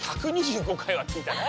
１２５回はきいたな。